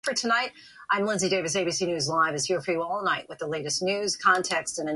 Common bedding types include laminated sand, ripple bedding, and bay mud.